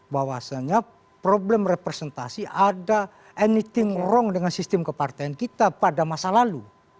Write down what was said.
bahwasanya problem representasi ada anything wrong dengan sistem kepartean kita pada masa lalu